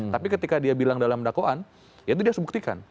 tapi ketika dia bilang dalam dakwaan ya itu dia harus buktikan